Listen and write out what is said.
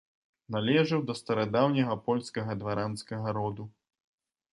Належаў да старадаўняга польскага дваранскага роду.